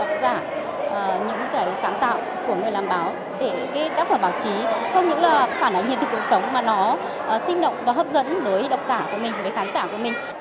để các phần báo chí không những là phản ảnh hiện thực cuộc sống mà nó sinh động và hấp dẫn đối với đọc giả của mình với khán giả của mình